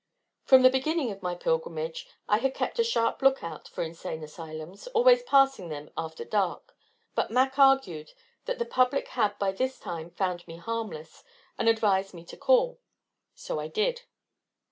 From the beginning of my pilgrimage, I had kept a sharp lookout for Insane Asylums, always passing them after dark, but Mac argued that the public had by this time found me harmless, and advised me to call. So I did.